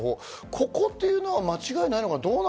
ここっていうのは間違いないのかな？